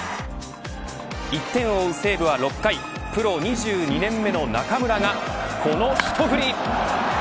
１点を追う西武は６回プロ２２年目の中村がこの一振り。